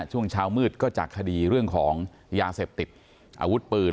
ช่วงเช้ามืดก็จากคดีเรื่องของยาเสพติดอาวุธปืน